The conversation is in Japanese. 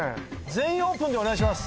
「全員オープン」でお願いします！